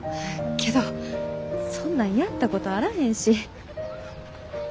けどそんなんやったことあらへんし。